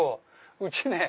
うちね。